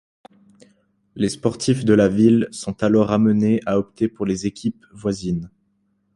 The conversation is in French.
Les sportifs de la ville sont alors amenés à opter pour les équipes voisines.